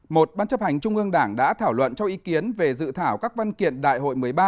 một ban chấp hành trung ương đảng đã thảo luận cho ý kiến về dự thảo các văn kiện đại hội một mươi ba